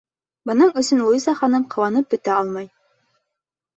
Бының өсөн Луиза ханым ҡыуанып бөтә алмай.